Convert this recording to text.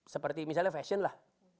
seperti misalnya fashion lah